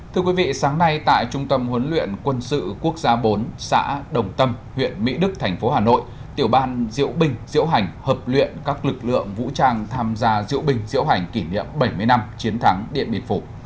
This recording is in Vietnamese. thưa quý vị sáng nay tại trung tâm huấn luyện quân sự quốc gia bốn xã đồng tâm huyện mỹ đức thành phố hà nội tiểu ban diễu bình diễu hành hợp luyện các lực lượng vũ trang tham gia diễu bình diễu hành kỷ niệm bảy mươi năm chiến thắng điện biệt phủ